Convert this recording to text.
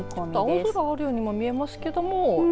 青空あるように見えますけども。